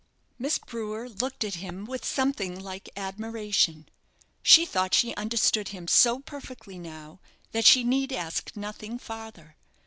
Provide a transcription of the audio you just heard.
Miss Brewer looked at him with something like admiration. She thought she understood him so perfectly now, that she need ask nothing farther.